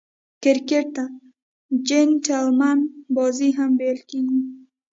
کرکټ ته "جېنټلمن بازي" هم ویل کیږي.